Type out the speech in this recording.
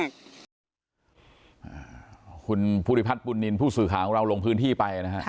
อ่าคุณภูริพัฒน์บุญนินทร์ผู้สื่อข่าวของเราลงพื้นที่ไปนะฮะ